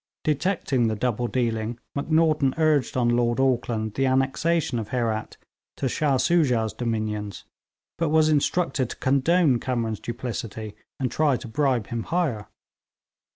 Detecting the double dealing, Macnaghten urged on Lord Auckland the annexation of Herat to Shah Soojah's dominions, but was instructed to condone Kamran's duplicity, and try to bribe him higher.